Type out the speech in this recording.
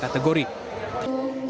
kategori yang terakhir adalah penilaian juri